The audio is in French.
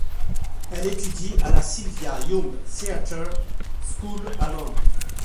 Elle étudie à la Sylvia Young Theatre School à Londres.